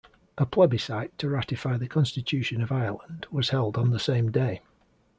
A plebiscite to ratify the Constitution of Ireland was held on the same day.